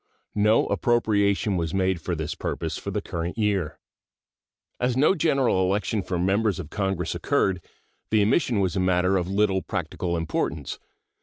No appropriation was made for this purpose for the current year. As no general election for Members of Congress occurred, the omission was a matter of little practical importance.